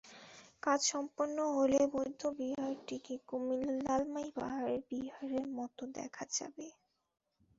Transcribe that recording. কাজ সম্পন্ন হলে বৌদ্ধবিহারটিকে কুমিল্লার লালমাই পাহাড়ের বিহারের মতো দেখা যাবে।